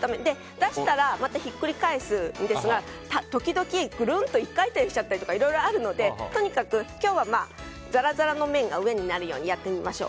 出したらひっくり返すんですが時々グルンと１回転しちゃったりとかあるのでとにかく今日はザラザラの面が上になるようにやってみましょう。